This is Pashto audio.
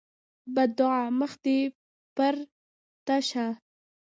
بدعا: مخ دې پرته شه!